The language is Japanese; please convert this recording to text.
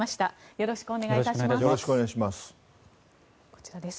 よろしくお願いします。